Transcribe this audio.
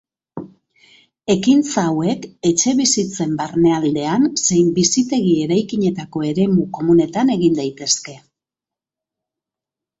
Ekintza hauek etxebizitzen barnealdean zein bizitegi-eraikinetako eremu komunetan egin daitezke.